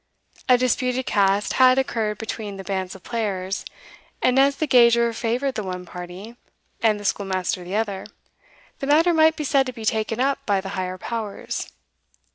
A disputed cast had occurred between the bands of players, and as the gauger favoured the one party, and the schoolmaster the other, the matter might be said to be taken up by the higher powers.